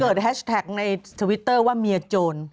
เกิดแฮชแท็กในว่ามเมียโจร